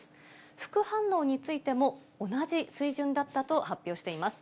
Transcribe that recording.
副反応についても、同じ水準だったと発表しています。